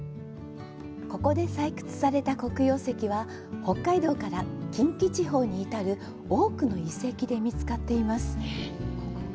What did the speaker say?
ここで採掘された黒曜石は北海道から近畿地方に至る多くの遺跡で見つかっています。